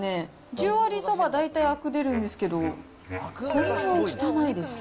十割そば、大体あく出るんですけど、これは汚いです。